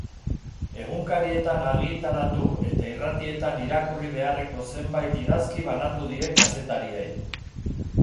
Egunkarietan argitaratu eta irratietan irakurri beharreko zenbait idazki banatu die kazetariei.